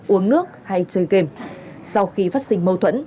uống nước hay chơi game sau khi phát sinh mâu thuẫn